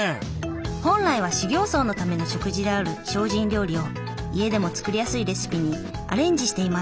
本来は修行僧のための食事である精進料理を家でも作りやすいレシピにアレンジしています。